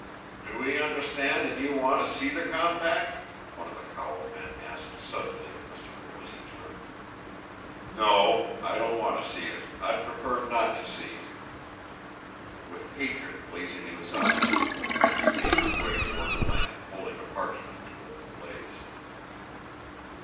"Do we understand that you want to see the compact?" one of the cowled men asked suddenly of Mr. Grimm as he turned. "No, I don't want to see it. I'd prefer not to see it." With hatred blazing in his eyes the prince made his way toward the lamp, holding a parchment toward the blaze.